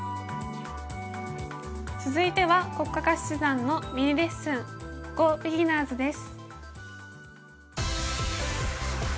続いては黒嘉嘉七段のミニレッスン「ＧＯビギナーズ」です。